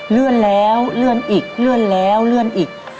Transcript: เลื่อนแล้วเลื่อนอีกเลื่อนแล้วเลื่อนอีก